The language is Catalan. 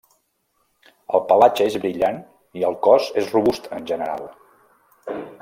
El pelatge és brillant i el cos és robust en general.